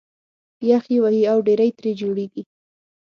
یخ یې وهي او ډېرۍ ترې جوړېږي